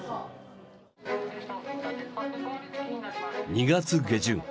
２月下旬